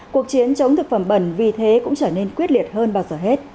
cuộc chiến chống thực phẩm bẩn vì thế cũng trở nên quyết liệt hơn bao giờ hết